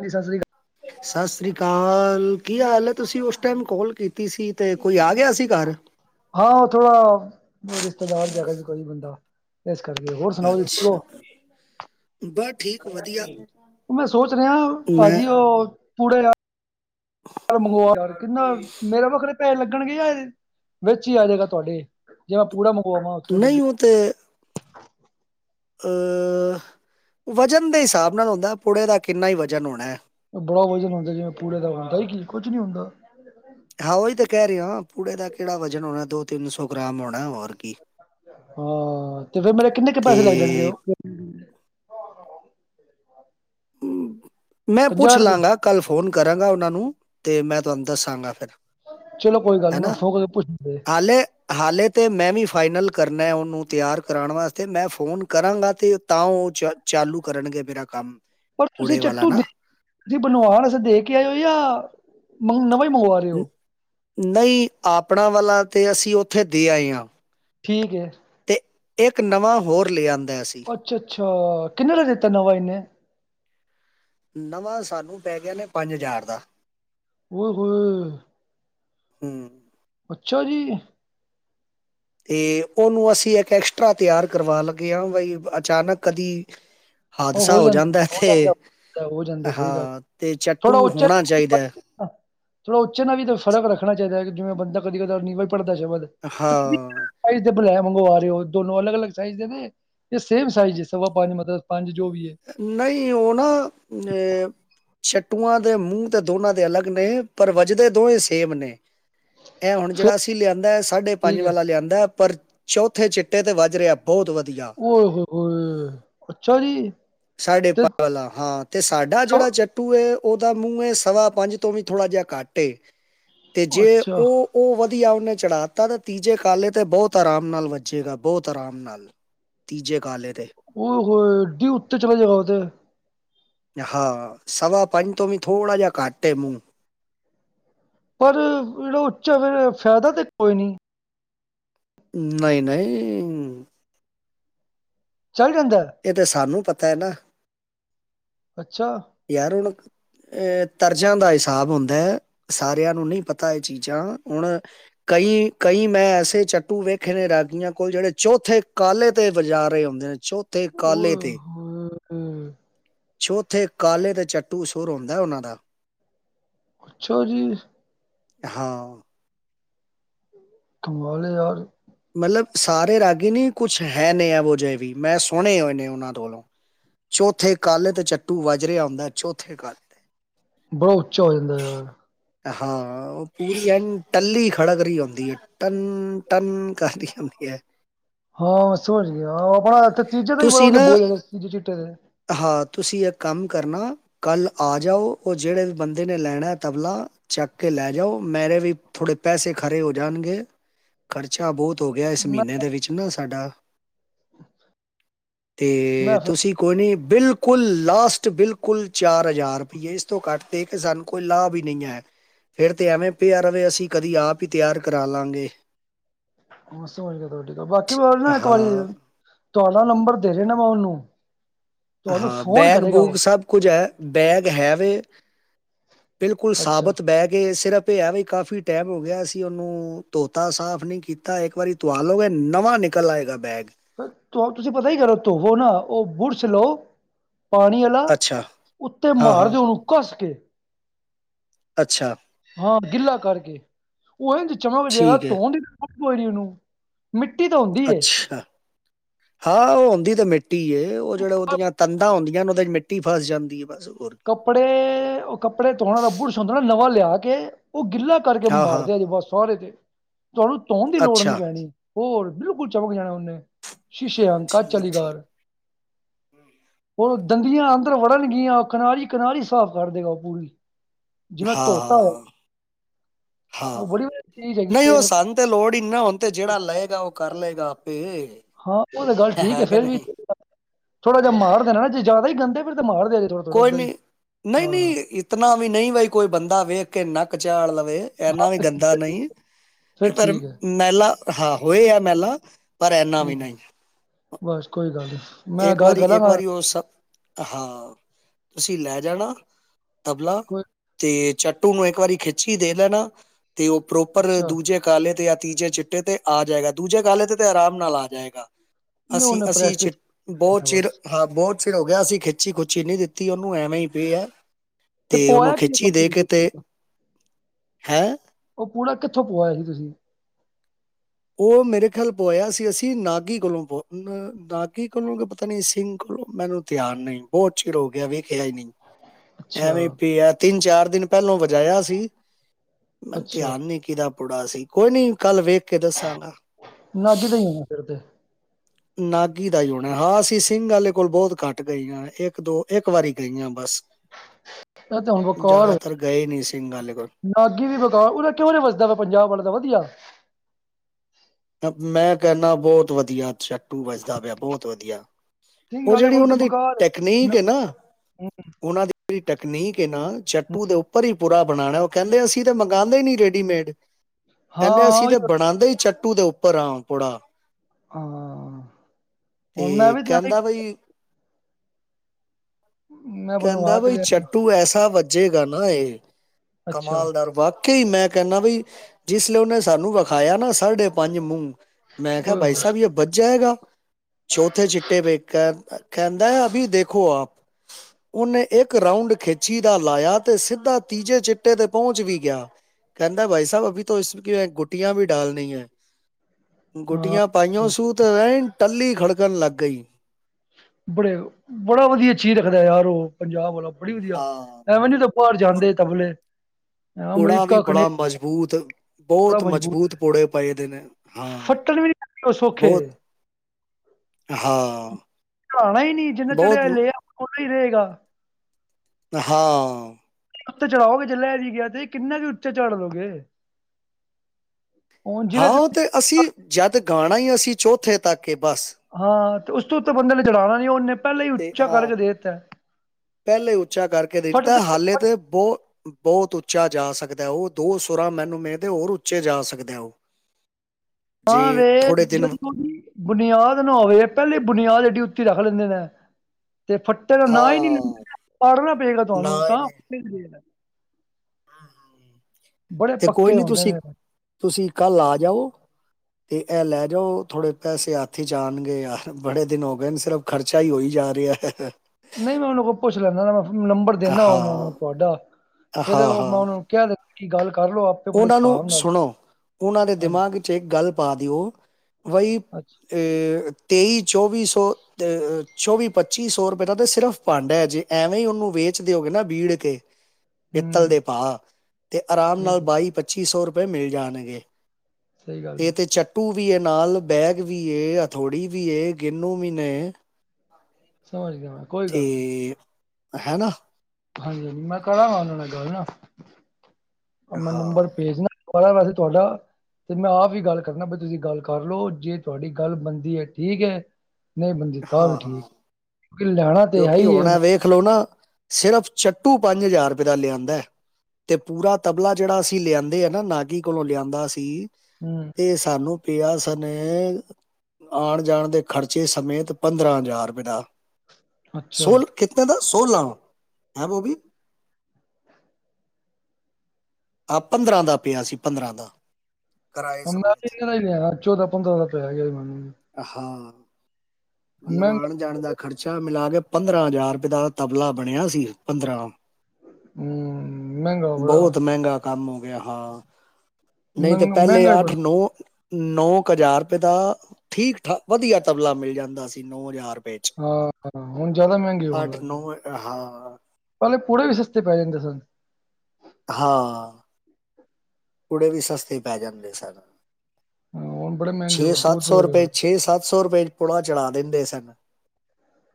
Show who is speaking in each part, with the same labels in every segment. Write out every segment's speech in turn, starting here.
Speaker 1: ਹਾਂਜੀ ਸਸ ਸ੍ਰੀ ਕਾਲ।
Speaker 2: ਸਸ ਸ੍ਰੀ ਕਾਲ ਕੀ ਹਾਲ ਹੈ, ਤੁਸੀਂ ਉਸ ਟਾਈਮ ਕੋਲ ਕੀਤੀ ਸੀ ਤੇ ਕੋਈ ਆ ਗਿਆ ਸੀ ਘਰ?
Speaker 1: ਹਾਂ ਉਹ ਥੋੜਾ ਰਿਸ਼ਤੇਦਾਰ ਜੇ ਆ ਗੇ ਕੋਈ ਬੰਦਾ। ਇਸ ਕਰਕੇ ਹੋਰ ਸੁਣਾਓ ਜੀ [unintelligible] ਹੋ।
Speaker 2: ਅੱਛਾ ਬਸ ਠੀਕ ਵਧੀਆ
Speaker 1: ਮੈਂ ਸੋਚ ਰਿਹਾ
Speaker 2: ਮੈਂ
Speaker 1: ਭਾਜੀ ਉਹ ਪੂੜੇ
Speaker 2: ਅ।
Speaker 1: ਮੰਗਵਾ ਕਿੰਨਾ ਮੇਰੇ ਵੱਖਰੇ ਪੈਸੇ ਲੱਗਣਗੇ ਯਾ ਵਿੱਚ ਹੀ ਆਜੇਗਾ ਤੁਹਾਡੇ। ਯਾ ਪੂਰਾ ਮੰਗਵਾਵਾਂ ਉਥੋਂ ਡ
Speaker 2: ਨਹੀਂ ਉਹ ਤੇ ਅਹ ਵਜ਼ਨ ਦੇ ਹਿਸਾਬ ਨਾਲ ਹੁੰਦਾ ਪੁੜੇ ਦਾ ਕਿੰਨਾ ਹੀ ਵਜ਼ਨ ਹੋਣਾ।
Speaker 1: ਬੜਾ ਵਜਨ ਹੁੰਦਾ ਜਿਵੇਂ ਪੂੜੇ ਦਾ ਹੁੰਦਾ ਹੀ ਕੀ ਕੁਛ ਨੀ ਹੁੰਦਾ।
Speaker 2: ਹਾਂ ਉਹੀ ਤੇ ਕਹਿ ਰੀਆ ਪੂੜੇ ਦਾ ਕਿਹੜਾ ਵਜਨ ਹੋਣਾ ਦੋ ਤਿੰਨ ਸੌ ਗ੍ਰਾਮ ਹੋਣਾ ਹੋਰ। ਕੀ
Speaker 1: ਹਾਂ ਤੇ ਫੇਰ ਮੇਰੇ ਕਿੰਨੇ ਕੁ
Speaker 2: ਤੇ
Speaker 1: ਪੈਸੇ ਲੱਗ ਜਾਣਗੇ ਉਹ।
Speaker 2: ਮ, ਮੈਂ ਪੁੱਛ
Speaker 1: ਪੰਜਾਹ ਰੁਪਏ
Speaker 2: ਲਾਂਗਾ ਕੱਲ ਫੋਨ ਕਰਾਂਗਾ ਉਹਨਾਂ ਨੂੰ ਤੇ ਮੈਂ ਤੁਹਾਨੂੰ ਦੱਸਾਂਗਾ ਫੇਰ।
Speaker 1: ਚਲੋ ਕੋਈ ਗੱਲ ਨੀ ਮੈਂ
Speaker 2: ਹਨਾ
Speaker 1: ਫੋਨ ਕਰਕੇ ਪੁੱਛਦੇ
Speaker 2: ਹਾਲੇ ਹਾਲੇ ਤੇ ਮੈਂ ਵੀ ਫਾਈਨਲ ਕਰਨਾ ਉਹਨੂੰ ਤਿਆਰ ਕਰਾਣ ਵਾਸਤੇ ਮੈਂ ਫੋਨ ਕਰਾਂਗਾ ਤੇ ਤਾਂ ਉਹ ਚ ਚਾਲੂ ਕਰਨਗੇ ਮੇਰਾ ਕੰਮ।
Speaker 1: ਪਰ ਤੁਸੀ
Speaker 2: ਪੁੜੇ ਵਾਲਾ
Speaker 1: ਚੱਟੂ
Speaker 2: ਨਾ
Speaker 1: ਦੇ ਤੁਸੀਂ ਬਣਵਾਏਆ ਵੈਸੇ ਦੇ ਕੇ ਆਇਓ ਜਾਂ ਨਵਾਂ ਈ ਮੰਗਵਾ ਰਹੇ ਹੋ
Speaker 2: ਨਈ ਆਪਣਾ ਵਾਲਾ ਤੇ ਅਸੀਂ ਓਥੇ ਦੇ ਆਏ ਆਂ।
Speaker 1: ਠੀਕ ਐ।
Speaker 2: ਤੇ ਇੱਕ ਨਵਾਂ ਹੋਰ ਲਿਆਂਦਾ ਅਸੀ।
Speaker 1: ਅੱਛਾ-ਅੱਛਾ, ਕਿੰਨੇ ਦਾ ਦਿੱਤਾ ਨਵਾਂ ਇਨੇ?
Speaker 2: ਨਵਾਂ ਸਾਨੂੰ ਪੈ ਗਿਆ ਨਾ ਪੰਜ ਹਜ਼ਾਰ ਦਾ।
Speaker 1: ਓਏ ਹੋਏ।
Speaker 2: ਹੁੰ।
Speaker 1: ਅੱਛਾ ਜੀ!
Speaker 2: ਤੇ ਉਨੂੰ ਅਸੀ ਇੱਕ ਐਕਸਟਰਾ ਤਿਆਰ ਕਰਵਾਨ ਲੱਗੇ ਆਂ ਬਈ ਅਚਾਨਕ ਕਦੀ
Speaker 1: ਉਹ
Speaker 2: ਹਾਦਸਾ ਹੋ ਜਾਂਦਾ ਏ
Speaker 1: ਹੋ ਜਾਂਦਾ,
Speaker 2: ਤੇ
Speaker 1: ਹੋ ਜਾਂਦਾ ਸਹੀ ਗੱਲ।
Speaker 2: ਹਾਂ ਤੇ ਚੱਟੂ ਹੋਣਾ ਚਾਈਦੈ।
Speaker 1: ਹ ਥੋੜਾ ਉੱਚੇ ਨਾ ਵੀ ਫਰਕ ਰੱਖਣਾ ਚਾਈਦਾ ਐ ਜਿਵੇਂ ਬੰਦਾ ਕਦੀ ਕਦਾਰ ਨੀਂਵਾਂ ਈ ਪੜਦਾ ਸ਼ਬਦ। ਤੇ ਤੁਸੀਂ
Speaker 2: ਹਾਂ।
Speaker 1: ਸਾਈਜ਼ ਦੇ ਭਰਾ ਮੰਗਵਾ ਰੇ ਓ ਦੋਨੋ ਅਲੱਗ -ਅਲੱਗ ਸਾਈਜ਼ ਦੇ ਨੀ ਏ, ਏ ਸੇਮ ਸਾਈਜ ਏ ਸਵਾ ਪੰਜ ਮਤਲਬ। ਪੰਜ ਜੋ ਵੀ ਏ।
Speaker 2: ਨਈ ਓ ਨਾ ਅ ਸ਼ੱਟੂਆਂ ਦੇ ਮੂੰਹ ਤੇ ਦੋਨਾਂ ਦੇ ਅਲੱਗ ਨੇ ਪਰ ਵੱਜਦੇ ਦੋਵੇਂ ਸੇਮ ਨੇ। ਐ ਹੁਣ
Speaker 1: ਫਿਰ
Speaker 2: ਜਿੜਾ ਅਸੀਂ ਲਿਆਂਦਾ ਐ ਸਾਢੇ ਪੰਜ
Speaker 1: ਠੀਕ ਹੈ।
Speaker 2: ਵਾਲਾ ਲਿਆਂਦਾ ਐ ਪਰ ਚੌਥੇ ਚਿੱਟੇ 'ਤੇ ਵੱਜ ਰਿਆ ਬੌਤ ਵਧੀਆ।
Speaker 1: ਓ ਹੋ ਹੋਏ ਅੱਛਾ ਜੀ‌।
Speaker 2: ਸਾਡੇ ਪੰਜ ਵਾਲਾ ਹਾਂ ਤੇ ਸਾਡਾ
Speaker 1: ਸ-
Speaker 2: ਜੇੜਾ ਸ਼ੱਟੂ ਏ ਓਦਾ ਮੂੰਹ ਏ ਸਵਾ ਪੰਜ ਤੋਂ ਵੀ ਥੋੜਾ ਜਿਆ ਘੱਟ ਏ।
Speaker 1: ਹ। [inaudible]
Speaker 2: ਤੇ ਜੇ ਓ ਓ ਵਧੀਆ ਓਨੇ ਚੜ੍ਹਾ ਤਾ ਤੇ ਤੀਜੇ ਕਾਲੇ ਤੇ ਬੌਤ ਆਰਾਮ ਨਾਲ ਵੱਜੇਗਾ ਬੌਤ ਆਰਾਮ ਨਾਲ। ਤੀਜੇ ਕਾਲੇ ਤੇ।
Speaker 1: ਓਏ ਹੋਏ ਏਡੀ ਉੱਤੇ ਚਲਾ ਜਏਗਾ ਓ ਤੇ।
Speaker 2: ਹਾਂ ਸਵਾ ਪੰਜ ਤੋਂ ਵੀ ਥੋੜਾ ਜਿਆ ਘੱਟ ਏ ਮੂੰ।
Speaker 1: ਪਰ ਏਡਾ ਉੱਚਾ ਫੇਰ ਫੈਦਾ ਤੇ ਕੋਈ ਨੀ।
Speaker 2: ਨਈ -ਨਈ।
Speaker 1: ਚੱਲ ਜਾਂਦੈ।
Speaker 2: ਏ ਤੇ ਸਾਨੂੰ ਪਤਾ ਐ ਨਾ।
Speaker 1: ਅੱਛਾ।
Speaker 2: ਯਾਰ ਔਣਕ ਏ ਤਰਜ਼ਾਂ ਦਾ ਹਿਸਾਬ ਹੁੰਦੈ, ਸਾਰਿਆਂ ਨੂੰ ਨਈ ਪਤਾ ਏ ਚੀਜ਼ਾਂ ਹੁਣ ਕਈ, ਕਈ ਮੈਂ ਐਸੇ ਚੱਟੂ ਵੇਖੇ ਨੇ ਰਾਗੀਆਂ ਕੋਲ ਜਿੜੇ ਚੌਥੇ ਕਾਲੇ ਤੇ ਵਜਾ ਰਏ ਹੁੰਦੇ ਨੇ ਚੌਥੇ ਕਾਲੇ
Speaker 1: ਓਏ
Speaker 2: ਤੇ।
Speaker 1: ਹੋਏ
Speaker 2: ਚੌਥੇ ਕਾਲੇ ਤੇ ਚੱਟੂ ਸੁਰ ਹੁੰਦਾ ਏ ਉਨਾਂ ਦਾ।
Speaker 1: ਅੱਛਾ ਜੀ।
Speaker 2: ਹਾਂ।
Speaker 1: ਕਮਾਲ ਏ ਯਾਰ।
Speaker 2: ਮਲਬ ਸਾਰੇ ਰਾਗੀ ਨੀ ਕੁਛ ਹੈ ਨੇ ਐਹੋ ਜੇ ਵੀ ਮੈਂ ਸੁਣੇ ਹੋਏ ਨੇ ਉਨਾਂ ਧੋ ਲੋਂ। ਚੌਥੇ ਕਾਲੇ ਤੇ ਚੱਟੂ ਵਜ ਰਿਆ ਹੂੰਦਾ ਏ ਚੌਥੇ ਕਾਲੇ।
Speaker 1: ਬੌ ਉੱਚਾ ਹੋ ਜਾਂਦਾ ਏ ਯਾਰ।
Speaker 2: ਹਾਂ ਓ ਪੂਰੀ ਐਨ ਟੱਲੀ ਖੜਕ ਰੀ ਹੂੰਦੀ ਏ ਟਨ-ਟਨ। ਕਰਦੀ ਹੁੰਦੀ ਏ
Speaker 1: ਹਾਂ ਸਮਜ ਗਿਆ ਆਪਣਾ ਤੀਜੇ ਤੇ ਬੜਾ
Speaker 2: ਤੁਸੀਂ
Speaker 1: ਵਧੀਆ
Speaker 2: ਨਾ
Speaker 1: ਬੋਲ ਜਾਦੇ ਤੀਜੇ ਚਿੱਟੇ ਤੇ
Speaker 2: ਹਾਂ ਤੁਸੀਂ ਇੱਕ ਕੰਮ ਕਰਨਾ ਕੱਲ ਆ ਜਾਓ। ਉਹ ਜਿਹੜੇ ਵੀ ਬੰਦੇ ਨੇ ਲੈਣਾ ਏ ਤਬਲਾ ਚੱਕ ਕੇ ਲੈ ਜਾਓ, ਮੇਰੇ ਵੀ ਥੋੜ੍ਹੇ ਪੈਸੇ ਖਰੇ ਹੋ ਜਾਣਗੇ। ਘਾਟਾ ਬਹੁਤ ਹੋ ਗਿਆ, ਇਸ
Speaker 1: ਮੈਂ
Speaker 2: ਮਹੀਨੇ ਦੇ ਵਿੱਚ ਨਾ ਸਾਡਾ।
Speaker 1: ਮੈਂ
Speaker 2: ਤੇ
Speaker 1: ਫਿਰ
Speaker 2: ਤੁਸੀਂ ਕੋਈ ਨੀ ਬਿਲਕੁਲ ਲਾਸਟ ਬਿਲਕੁਲ ਚਾਰ ਹਜ਼ਾਰ ਰੁਪਈਆ ਇਸ ਤੋਂ ਘੱਟ ਦੇ ਕੇ ਸਾਨੂੰ ਕੋਈ ਲਾਭ ਵੀ ਨਈ ਏ, ਫੇਰ ਤੇ ਐਵੇਂ ਪਿਆ ਰਵੇ ਅਸੀਂ ਕਦੀ ਆਪ ਹੀ ਤਿਆਰ ਕਰਾ ਲਾਂਗੇ।
Speaker 1: ਮੈਂ ਸਮਝ ਗਿਆ ਤੁਹਾਡੀ ਗਲ ਬਾਕੀ ਮੈਂ ਨਾ ਇੱਕ ਵਾਰੀ
Speaker 2: ਹਾਂ
Speaker 1: ਤੁਹਾਡਾ ਨੰਬਰ ਦੇ ਜੇ ਨਾ ਵਾ ਉਹਨੂੰ ਤੁਹਾਨੂੰ
Speaker 2: ਹਾਂ
Speaker 1: ਫੋਨ
Speaker 2: ਬੈਗ
Speaker 1: ਕਰੇਗਾ
Speaker 2: ਬੂਗ
Speaker 1: ਉਹ
Speaker 2: ਸਭ ਕੁਝ ਹੈ, ਬੈਗ ਹੈਵੇ ਬਿਲਕੁਲ
Speaker 1: ਅੱਛਾ
Speaker 2: ਸਾਬਤ ਬੈਗ ਏ ਸਿਰਫ ਪਿਆ ਵੀ ਕਾਫ਼ੀ ਟਾਈਮ ਹੋ ਗਿਆ, ਅਸੀਂ ਉਹਨੂੰ ਧੋਤਾ ਸਾਫ਼ ਨਹੀਂ ਕੀਤਾ ਇੱਕ ਵਾਰੀ ਧੂਆ ਲਓਗੇ ਨਵਾਂ ਨਿ ਨਿਕਲ ਆਏਗਾ ਬੈਗ।
Speaker 1: ਤੁਸੀਂ ਪਤਾ ਕੀ ਕਰੋ ਧੋਵੋ ਨਾ ਉਹ ਬੁਰਸ਼ ਲਓ ਪਾਣੀ ਨਾਲ
Speaker 2: ਅੱਛਾ
Speaker 1: ਉੱਤੇ
Speaker 2: ਹਾਂ ਹਾਂ
Speaker 1: ਮਾਰਦਿਉ ਓਨੂੰ ਕੱਸ ਕੇ
Speaker 2: ਅੱਛਾ।
Speaker 1: ਹਾਂ ਗਿੱਲਾ ਕਰਕੇ ਓ ਏਜ ਚਮਕ ਜੇਗਾ
Speaker 2: ਠੀਕ ਹੈ
Speaker 1: ਧੋਣ ਲੋੜ ਕੋਈ ਨੀ ਉਹਨੂੰ ਮਿੱਟੀ ਤਾ ਹੁੰਦੀ ਏ
Speaker 2: ਅੱਛਾ, ਹਾਂ ਉਹ ਹੋਦੀ ਤੇ ਮਿੱ ਟੀ ਏ ਉਹ ਜਿਹੜੇ ਉਹਦੀਆਂ ਤਦਾਂ ਹੁੰਦੀਆਂ ਨੇ ਉਹਦੇ ਚ ਮਿੱਟੀ ਫਸ ਜਾਂਦੀਏ ਬਸ ਹੋਰ ਕੀ
Speaker 1: ਕੱਪੜੇ ਉਹ ਕੱਪੜੇ ਧੋਣਾ ਆਲਾ ਬੁਰਸ਼ ਹੁੰਦਾ ਨਾ ਨਵਾਂ ਲਿਆ ਕੇ ਉਹ ਗਿੱਲਾ ਕਰਕੇ
Speaker 2: ਹਾਂ
Speaker 1: ਮਰ
Speaker 2: ਹਾਂ
Speaker 1: ਦਿਉ ਜੇ ਬਸ ਸਾਰੇ ਤੇ ਤੁਹਾਨੂੰ ਤੋਣ ਦੀ ਲੋੜ ਨੀ
Speaker 2: ਅੱਛਾ
Speaker 1: ਪੈਣੀ। ਹੋਰ ਬਿਲਕੁਲ ਚਮਕ ਜਾਣਾ ਉਹਨੇ ਸ਼ੀਸ਼ੇ ਅੰਗ ਕੱਚ
Speaker 2: ਠੀਕ
Speaker 1: ਆਲੀ
Speaker 2: ਠੀਕ
Speaker 1: ਕਾਰ ਹੋਰ ਦੰਦੀਆਂ ਅੰਦਰ ਵੜਨਗੀਆਂ ਉਹ ਕਨਾਰੀ- ਕਨਾਰੀ ਸਾਫ਼ ਕਰ ਦੇਗਾ ਉਹ ਪੂਰੀ। ਜਿਵੇਂ
Speaker 2: ਹਾਂ
Speaker 1: ਧੋਤਾ ਹੋਏ
Speaker 2: ਹਾਂ
Speaker 1: ਉਹ
Speaker 2: ਹਾਂ
Speaker 1: ਬੜੀ ਵਧੀਆ ਚੀਜ਼
Speaker 2: ਨਹੀਂ
Speaker 1: ਹੈਗੀ
Speaker 2: ਉਹ
Speaker 1: ਏ।
Speaker 2: ਸਾਨੂੰ ਤੇ ਲੋੜ ਈ ਨੀ ਨਾ ਹੁਣ ਤੇ ਜਿਹੜਾ ਲਏਗਾ ਉਹ ਕਰ ਲਏਗਾ ਆਪੇ
Speaker 1: ਹਾਂ ਉਹ ਤਾਂ ਗੱਲ ਠੀਕ ਹੈ,
Speaker 2: ਕਿ
Speaker 1: ਫਿਰ ਵੀ
Speaker 2: ਨਹੀਂ
Speaker 1: ਥੋੜਾ ਜਿਹਾ ਮਾਰਦੇਣਾ ਨਾ ਜੇ ਜ਼ਿਆਦਾ ਹੀ ਗੰਦੇ ਫਿਰ ਤਾਂ ਮਾਰ ਦੇਆ ਜੇ।
Speaker 2: ਕੋਈ ਨੀ ਨਹੀਂ, ਨਹੀਂ ਇਤਨਾ ਵੀ ਨਹੀਂ ਬਾਈ ਕੋਈ ਬੰਦਾ ਵੇਖ ਨਾਕ ਚਾੜ ਲਵੇ਼। ਇਨਾ ਵੀ
Speaker 1: ਹਾਂ
Speaker 2: ਗੰਦਾ ਨਹੀਂ
Speaker 1: ਫਿਰ
Speaker 2: ਪਰ
Speaker 1: ਠੀਕ ਹੈ
Speaker 2: ਮੈਲਾ ਹਾਂ ਹੋਏ ਆ ਮੈਲਾ ਪਰ ਇੰਨਾ ਵੀ
Speaker 1: ਠੀਕ ਹੈ
Speaker 2: ਨਹੀਂ।
Speaker 1: ਬਸ ਕੋਈ ਗੱਲ ਨੀ। ਮੈਂ
Speaker 2: ਇੱਕ
Speaker 1: ਗੱਲ
Speaker 2: ਵਾਰੀ, ਇੱਕ
Speaker 1: ਕਰਾਂਗਾ
Speaker 2: ਵਾਰੀ ਉਹ ਸਭ ਹਾਂ ਤੁਸੀਂ ਲੈ ਜਾਣਾ ਤਬਲਾ
Speaker 1: ਕੋਈ
Speaker 2: ਤੇ ਚਾ ਟੂ ਨੂੰ ਇੱਕ ਵਾਰੀ ਖੇਚ ਹੀ ਦੇਣਾ ਤੇ ਉਹ ਪ੍ਰੋਪਰ
Speaker 1: ਅੱਛਾ
Speaker 2: ਦੂਜੇ ਕਾਲੇ ਤੇ ਜਾਂ ਤੀਜੇ ਚਿੱਟੇ ਤੇ ਆ ਜਾਏਗਾ‌, ਦੂਜੇ ਕਾਲੇ ਤੇ, ਤੇ ਆਰਾਮ ਨਾਲ ਆ ਜਾਏਗਾ।
Speaker 1: ਨਹੀਂ
Speaker 2: ਅਸੀਂ,
Speaker 1: ਉਹਨੇ
Speaker 2: ਅਸੀਂ ਚਿ
Speaker 1: ਪ੍ਰੈਕਟਿਸ
Speaker 2: ਬਹੁਤ ਚਿਰ
Speaker 1: ਬਸ
Speaker 2: ਹਾਂ ਬਹੁਤ ਚਿਰ ਹੋ ਗਿਆ, ਅਸੀਂ ਖਿੱਚੀ ਖੁੱਚੀ ਨਹੀਂ ਦਿੱਤੀ ਉਹਨੂੰ ਐਵੇਂ ਹੀ ਪਿਆ। ਤੇ ਓਨੂੰ
Speaker 1: ਪਵਾਇਆ ਕਿਦੇ
Speaker 2: ਖਿੱਚੀ
Speaker 1: ਕੋਲ ਸੀ
Speaker 2: ਦੇ ਕੇ ਤੇ,
Speaker 1: ਤੁਸੀਂ?
Speaker 2: ਹੈਂ
Speaker 1: ਉਹ ਪੂੜ ਕਿੱਥੋਂ ਪਆਇਆ ਸੀ ਤੁਸੀਂ?
Speaker 2: ਉਹ ਮੇਰੇ ਖਿਆਲ ਪਇਆ ਸੀ ਅਸੀਂ ਨਾਗੀ ਕੋਲੋਂ ਪ ਨਾਗੀ ਕੋਲੋਂ ਪਤਾ ਨੀ ਸਿੰਘ ਕੋਲੋਂ ਮੈਨੂੰ ਧਿਆਨ ਨਹੀਂ, ਬਹੁਤ ਚਿਰ ਹੋ ਗਿਆ, ਵੇਖਿਆ ਹੀ ਨਹੀਂ
Speaker 1: ਅੱਛਾ
Speaker 2: ਐਵੇਂ ਪਿਆ, ਤਿੰਨ ਚਾਰ ਦਿਨ ਪਹਿਲੋਂ ਵਜਾਇਆ ਸੀ, ਮੈ
Speaker 1: ਅੱਛਾ
Speaker 2: ਧਿਆਨ ਨੀ। ਕੀਦਾ ਪੁੜਾ ਸੀ? ਕੋਈ ਨੀ ਕੱਲ ਵੇਖ ਕੇ ਦੱਸਾਂਗਾ।
Speaker 1: ਨਾਗੀ ਦਾ ਹੀ ਹੋਣਾ। ਫਿਰ ਤੇ
Speaker 2: ਨਾਗੀ ਦਾ ਹੀ ਹੋਣਾ। ਹਾਂ ਅਸੀਂ ਸਿੰਘ ਆਲੇ ਕੋਲ ਬਹੁਤ ਘੱਟ ਗਏ ਹਾਂ। ਇੱਕ-ਦੋ ਇੱਕ ਵਾਰੀ ਗਈਆ ਹਾਂ ਬਸ।
Speaker 1: ਇਹ ਤੇ ਹੁਣ ਬਕਾਰ ਏ।
Speaker 2: ਜ਼ਿਆਦਾਤਰ ਗਏ ਨਹੀਂ ਸਿੰਘ ਵਾਲੇ ਕੋਲ
Speaker 1: ਨਾ ਗੀ ਵੀ ਬਕਾਰ ਉਹਦਾ ਕਿਉਂ ਨਈ ਵਜਦਾ ਵਾ ਪੰਜਾਬ ਵਾਲੇ ਦਾ ਵਧੀਆ
Speaker 2: ਮੈਂ ਕੈਂਦਾ ਬੋਤ ਵਧੀਆ ਚਟੂ ਵਜਦਾ ਪਿਆ ਬੋਤ ਵਧੀਆ
Speaker 1: ਸਿੰਘ
Speaker 2: ਓ
Speaker 1: ਵਾਲੇ
Speaker 2: ਜੇੜੀ
Speaker 1: ਕੋਲ ਤੇ
Speaker 2: ਉਹਨਾਂ ਦੀ
Speaker 1: ਬਕਾਰ
Speaker 2: ਟੈਕਨੀਕ ਏ ਨਾ ਉਹਨਾਂ ਦੀ ਵੀ ਟਕਨੀਕ ਏ ਨਾ ਚੱਟੂ ਦੇ ਉੱਪਰ ਈ ਪੂਰਾ ਬਣਾਣਾ ਓ ਕੈਂਦੇ ਅਸੀਂ ਤਾਂ ਮੰਗਾਂਦੇ ਨੀ ਰੇਡੀਮੇਡ ਕੈਂਦੇ
Speaker 1: ਹਾਂ
Speaker 2: ਅਸੀਂ
Speaker 1: ਉਹੀ
Speaker 2: ਤੇ ਬਣਾਂਦੇ ਚ ਚਟੂ ਦੇ ਉੱਪਰ ਆਂ ਪੂੜਾ
Speaker 1: ਹਾਂ ਹੁਣ ਮੈਂ
Speaker 2: ਏ
Speaker 1: ਵੀ ਤਾਂ ਵੀ
Speaker 2: ਕੈਂਦਾ ਬਈ
Speaker 1: ਮੈਂ
Speaker 2: ਕੈਂਦਾ
Speaker 1: ਬਣਵਾ ਕੇ
Speaker 2: ਬਈ
Speaker 1: ਲਿਆ
Speaker 2: ਚੱਟੂ ਐਸਾ ਵੱਜੇਗਾ ਨਾ ਇਹ
Speaker 1: ਅੱਛਾ
Speaker 2: ਕਮਾਲ ਦਾਰ ਵਕ ਕੀ ਮੈਂ ਕੈਂਣਾ ਬਈ ਜਿਸ ਲਈ ਉਹਨੇ ਸਾਨੂੰ ਵਿਖਾਇਆ ਨਾ ਸਾਢੇ ਪੰਜ ਮੂੰਹ ਮੈਂ ਕਿਆ
Speaker 1: ਓਏ
Speaker 2: ਬਾਈ
Speaker 1: ਹੋਏ
Speaker 2: ਸਾਹਿਬ ਯੇ ਬੱਚਾ ਹੈਗਾ ਚੌਥੇ ਚਿੱਟੇ ਪੇ ਕਹ ਕੈਂਦਾ ਅਭੀ ਦੇਖੋ ਆਪ ਉਹਨੇ ਇੱਕ ਰਾਊਂਡ ਖਿੱਚੀ ਦਾ ਲਾਇਆ ਤੇ ਸਿੱਧਾ ਤੀਜੇ ਚਿੱਟੇ ਤੇ ਪਹੁੰਚ ਵੀ ਗਿਆ। ਕੈਂਦਾ ਭਾਈ ਸਾਹਿਬ ਅਭੀ ਤੋਂ ਇਸ ਕੇ ਗੁੱਟੀਆਂ ਵੀ ਡਾਲਨੀ ਏ।
Speaker 1: ਹਾਂ
Speaker 2: ਗੁੱਟੀਆਂ ਪਾਈਓ
Speaker 1: ਅੱਛਾ, ਅੱਛਾ।
Speaker 2: ਸੂਤ ਏਣ ਟੱਲੀ ਖੜਕਣ ਲੱਗ ਗਈ।
Speaker 1: ਬੜੇ ਬੜਾ ਵਧੀਆ ਚੀਜ਼ ਰੱਖਦਾ ਯਾਰ ਓ ਪੰਜਾਬ ਵਾਲਾ ਬੜੀ ਵਧੀਆ
Speaker 2: ਹਾਂ,
Speaker 1: ਐ ਵੇਂ ਨੀ ਬਾਰ ਜਾਂਦੇ ਤਬਲੇ
Speaker 2: ਪੂੜਾ ਵੀ
Speaker 1: ਅਮਰੀਕਾ
Speaker 2: ਬੜਾ
Speaker 1: ਕਨੇਡਾ
Speaker 2: ਮਜ਼ਬੂਤ
Speaker 1: ਬੜਾ
Speaker 2: ਬੋਤ
Speaker 1: ਮਜਬੂਤ
Speaker 2: ਮਜ਼ਬੂਤ ਪੂੜੇ ਪਏ ਦੇ ਨੇ ਹਾਂ
Speaker 1: ਫੱਟਣ ਵੀ ਨੀ ਲੱਗੇ ਉਹ ਸੌਖੇ
Speaker 2: ਬੋਤ ਹਾਂ
Speaker 1: ਪਾਣਾ ਈ ਨੀ ਜਿੰਨਾ
Speaker 2: ਬਹੁਤ,
Speaker 1: ਚੜਿਆ ਲਿਆ ਓਨਾ ਹੀ ਰਏਗਾ।
Speaker 2: ਹਾਂ
Speaker 1: ਉੱਤੇ ਚੜਾਓ ਗੇ ਜੇ ਲੈ ਵੀ ਗਿਆ ਤੇ ਕਿੰਨਾ ਵੀ ਉੱਚਾ ਚਾੜ ਲੋ ਗੇ।
Speaker 2: ਹਾਂ
Speaker 1: ਜਿਵੇਂ
Speaker 2: ਓ
Speaker 1: ਤੁਸੀਂ
Speaker 2: ਤੇ ਅਸੀਂ ਜਦ ਗਾਣਾ ਈ ਅਸੀਂ ਚੌਥੇ ਤੱਕ ਕਿ ਬਸ
Speaker 1: ਹਾਂ ਤੇ ਉਸ ਤੋਂ ਤੇ ਬੰਦੇ ਨੇ ਚੜਾਣਾ ਨੀ ਉਹਨੇ ਪੈਲਾਂ ਈ ਉੱਚਾ ਕਰਕੇ ਦੇ ਤਾ।
Speaker 2: ਪੈਲੇ ਉੱਚਾ ਕਰਕੇ ਦੇ ਤਾ ਹਾਲੇ ਤੇ ਬੋ ਬੋਤ ਉੱਚਾ ਜਾ ਸਕਦਾ ਓ ਦੋ ਸੁਰਾਂ ਮੈਨੂੰ ਉਮੇਦ ਹੋਰ ਉੱਚੇ ਜਾ ਸਕਦੇ ਓ।
Speaker 1: ਹਾਂ ਵੇ
Speaker 2: ਦਿਨ
Speaker 1: [unintelligible] ਬੁਨਿਆਦ ਨਾ ਹੋਵੇ ਪੈਲੇ ਬੁਨਿਆਦ ਏਡੀ ਉੱਤੀ ਰੱਖ ਲੈਂਦੇ ਨੇ ਤੇ ਫ ਤੇਰਾ ਨਾਂ ਈ ਨਈ
Speaker 2: ਹਾਂ
Speaker 1: ਲੈਂਦਾ ਪਾੜ੍ਹਨਾ ਪਏਗਾ
Speaker 2: ਨਾ
Speaker 1: ਤੁਹਾਨੂੰ ਤਾਂ [unintelligible]
Speaker 2: ਹੂੰ-ਹੂੰ
Speaker 1: ਬੜੇ
Speaker 2: ਤੇ ਕੋਈ
Speaker 1: ਪੱਕੇ
Speaker 2: ਨਈ
Speaker 1: ਹੁੰਦੇ ਨੇ
Speaker 2: ਤੁਸੀ-ਤੁਸੀਂ ਕੱਲ ਆ ਜਾਓ। ਤੇ ਇਹ ਲੈ ਜਾਓ ਥੋੜੇ ਪੈਸੇ ਹੱਥ 'ਚ ਆਣਗੇ। ਯਾਰ ਬੜੇ ਦਿਨ ਹੋ ਗਏ ਨੇ ਸਿਰਫ ਖ਼ਰਚਾ ਈ ਹੋਈ ਜਾ ਰਿਆ।
Speaker 1: ਨਈ ਮੈਂ ਉਹਨ ਕੋਲ ਪੁੱਛ ਲੈਂਣਾ ਨਾ ਮੈਂ ਨੰਬਰ ਦੇਂਨਾ
Speaker 2: ਹਾਂ
Speaker 1: ਉਹਨਾਂ ਨੂੰ ਤੁਹਾਡਾ ਫਿਰ
Speaker 2: ਹਾਂ
Speaker 1: ਓ
Speaker 2: ਹਾਂ
Speaker 1: ਮੈਂ ਉਹਨੂੰ ਓ ਕੈ ਦੇ ਦਿਤੀ ਕਿ ਗੱਲ ਕਰ ਲਓ ਆਪ
Speaker 2: ਉਹਨਾਂ ਨੂੰ ਸੁਣੋ ਉਹਨਾਂ ਦੇ
Speaker 1: ਹਾਂਜੀ
Speaker 2: ਦਿਮਾਗ 'ਚ ਇੱਕ ਗੱਲ ਪਾ ਦਿਓ ਵਈ
Speaker 1: ਅੱਛਾ
Speaker 2: ਤੇਈ-ਚੌਵੀ ਸੌ ਚੌਵੀ-ਪੱਚੀ ਸੌ ਰੁਪਏ ਦਾ ਤਾਂ ਸਿਰਫ ਭਾਂਡਾ ਹੈ ਜੇ। ਐਵੇਂ ਹੀ ਉਹਨੂੰ ਵੇਚ ਦਿਓਗੇ ਨਾ ਬੀੜ ਕੇ
Speaker 1: ਹ [inaudible]
Speaker 2: ਪਿੱਤਲ ਦੇ ਭਾਅ ਤੇ ਆਰਾਮ ਨਾਲ
Speaker 1: ਠੀਕ ਹੈ
Speaker 2: ਬਾਈ-ਪੱਚੀ ਸੌ ਰੁਪਏ ਮਿਲ ਜਾਣਗੇ।
Speaker 1: ਸਹੀ ਗੱਲ
Speaker 2: ਏ
Speaker 1: ਹੈ
Speaker 2: ਤੇ ਚੱ ਤੂ ਵੀ ਏ ਨਾਲ ਬੈਗ ਵੀ ਏ, ਹਥੋੜੀ ਵੀ ਏ, ਗਿਨੂੰ ਵੀ ਨੇ।
Speaker 1: ਸਮਝ ਗਿਆ ਮੈਂ ਕੋਈ
Speaker 2: ਠੀ
Speaker 1: ਗੱਲ ਨਹੀਂ
Speaker 2: ਹੈਨਾ।
Speaker 1: ਹਾਂਜੀ -ਹਾਂਜੀ ਮੈਂ ਕਰਾਂਗਾ, ਔਨਾਂ ਨਾਲ ਗੱਲ ਨਾ ਮੈਂ
Speaker 2: ਹਾਂ
Speaker 1: ਨੰਬਰ ਭੇਜ ਨਾ ਆਯਾ ਵੈਸੇ ਤੁਹਾਡਾ। ਤੇ ਮੈਂ ਆਪ ਈ ਗੱਲ ਕਰਨਾ ਵੀ ਤੁਸੀਂ ਗੱਲ ਕਰ ਲਓ ਜੇ ਤੁਹਾਡੀ ਗੱਲ ਬਣਦੀ ਏ ਠੀਕ ਐ ਨਈ ਬਨਦੀ ਤਾਂ
Speaker 2: ਹਾਂ
Speaker 1: ਵੀ ਠੀਕ।
Speaker 2: ਹਾਂ
Speaker 1: ਕਿਉਕਿ ਲੈਣਾ ਤੇ ਹੈ ਈਏ ਨ
Speaker 2: ਵੇਖ ਲਓ ਨਾ ਸਿਰਫ਼ ਚੱਟੂ ਪੰਜ ਹਜ਼ਾਰ ਰਪਏ ਦਾ ਲਿਆਂਦਾ ਐ ਤੇ ਪੂਰਾ ਤਬਲਾ ਜੇੜਾ ਅਸੀ ਲਿਆਂਦੇ ਆ ਨਾ ਨਾਗੀ ਕੋਲੋਂ ਲਿਆਂਦਾ ਸੀ
Speaker 1: ਹੂਂ
Speaker 2: ਏ ਸਾਨੂੰ ਪਿਆ ਸਾਨੇ ਆਣ- ਜਾਣ ਦੇ ਖ਼ਰਚੇ ਸਮੇਤ ਪੰਦਰਾਂ ਹਜ਼ਾਰ ਰਪੈ ਦਾ
Speaker 1: ਅੱਛਾ
Speaker 2: ਸੋਲ ਕਿਤਨੇ ਦਾ ਸੋਲਾਂ ਹੈਂ ਬੋਬੀ। ਆ ਪੰਦਰਾਂ ਦਾ ਪੇਆ ਸੀ ਪੰਦਰਾਂ ਦਾ ਕਿਰਾਏ
Speaker 1: ਹਾਂ ਮੈਂ
Speaker 2: ਸਮੇਤ
Speaker 1: ਵੀ ਐਈ ਲੇਆਐ ਚੌਦਾਂ ਪੰਦਰਾਂ ਦਾ ਪੈ ਗਿਆ ਮਨੂੰ
Speaker 2: ਹਾਂ ਮਤਲਬ
Speaker 1: ਮਹਿੰਗਾ
Speaker 2: ਆਣ ਜਾਣ ਦਾ ਖਰਚਾ ਮਿਲਾ ਕੇ ਪੰਦਰਾਂ ਹਜ਼ਾਰ ਰਪਏ ਦਾ ਤਬਲਾ ਬਣਿਆ ਸੀ ਪੰਦਰਾਂ
Speaker 1: ਹੂੰ ਮਹਿੰਗਾ ਬੜਾ
Speaker 2: ਬਹੁਤ ਮਹਿੰਗਾ ਕੰਮ ਹੋ ਗਿਆ ਹਾਂ। ਨਈ ਤੇ
Speaker 1: ਮਹਿੰਗਾ
Speaker 2: ਪਹਿਲੇ
Speaker 1: ਮਹਿੰਗਾ ਹੀ
Speaker 2: ਅੱਠ
Speaker 1: ਬੜਾ
Speaker 2: ਨੌ ਨੌ ਕ ਹਜ਼ਾਰ ਰਪਏ ਦਾ ਠੀਕ -ਠਾਕ ਵਧੀਆ ਤਬਲਾ ਮਿਲ ਜਾਂਦਾ ਸੀ ਨੌ ਹਜ਼ਾਰ ਰਪਏ
Speaker 1: ਹਾਂ ਹੁਣ ਜਾਦਾ ਮਹਿੰਗੇ ਹੋਣ ਲੱਗ
Speaker 2: ਨੌ
Speaker 1: ਗਏ
Speaker 2: ਹਾਂ
Speaker 1: ਪਹਿਲੇ ਪੂੜੇ ਵੀ ਸਸਤੇ ਪੈ ਜਾਂਦੇ ਸਨ।
Speaker 2: ਹਾਂ ਪੂੜੇ ਵੀ ਸਸਤੇ ਪੈ ਜਾਂਦੇ ਸਨ।
Speaker 1: ਹੁਣ ਬੜੇ ਮਹਿੰਗੇ ਹੋ
Speaker 2: ਛੇ
Speaker 1: ਗਏ ਦੋ
Speaker 2: ਸੱਤ ਸੌ
Speaker 1: ਦੋ
Speaker 2: ਰਪਏ
Speaker 1: ਹਜ਼ਾਰ
Speaker 2: ਛੇ ਸੱਤ ਸੌ ਰਪਏ ਚ ਪੁੁੜਾ ਚੜ੍ਹਾ ਦੇਂਦੇ ਸਨ।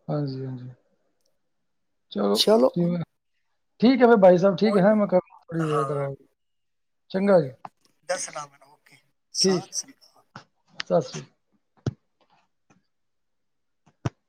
Speaker 1: ਹਾਂਜੀ- ਹਾਂਜੀ ਚਲੋ ਜਿਵੇਂ, ਠੀਕ ਏ ਫੇਰ ਬਾਈ ਸਬ ਠੀਕ ਐ
Speaker 2: ਕੋਈ
Speaker 1: ਹੈਂ
Speaker 2: ਨਹੀਂ
Speaker 1: ਮੈਂ ਕਰਦਾ ਥੋੜੀ ਦੇਰ ਦੇ ਬਾਦ ਚੰਗਾ ਜੀ।
Speaker 2: ਦਸਨਾ ਮੇਨੂ ਓਕੇ
Speaker 1: ਠੀਕ
Speaker 2: ਸੱਤ ਸ਼੍ਰੀ ਅਕਾਲ।
Speaker 1: ਸਤਿ ਸ਼੍ਰੀ